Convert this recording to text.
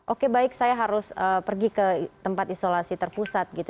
oke baik saya harus pergi ke tempat isolasi terpusat gitu